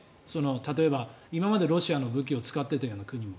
例えば、今までロシアの武器を使っていたような国も。